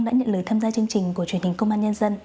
đã nhận lời tham gia chương trình của truyền hình công an nhân dân